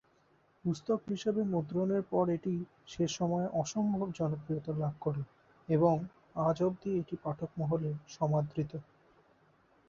পুস্তক হিসেবে মুদ্রণের পর এটি সে সময়ে অসম্ভব জনপ্রিয়তা লাভ করে এবং আজ অবধি এটি পাঠক মহলে সমাদৃত।